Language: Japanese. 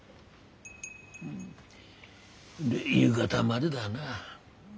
んで夕方までだな。